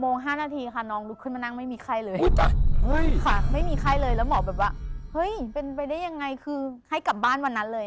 ๖โมง๕นาทีค่ะน้องหลุดขึ้นมานั่งไม่ก็มีไข้เลย